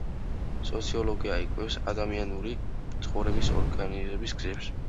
სოციოლოგია იკვლევს ადამიანური ცხოვრების ორგანიზების გზებს.